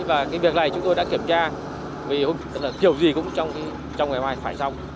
và cái việc này chúng tôi đã kiểm tra vì kiểu gì cũng trong ngày mai phải xong